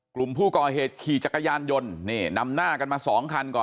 กลุ่มผู้ก่อเหตุขี่จักรยานยนต์นี่นำหน้ากันมาสองคันก่อน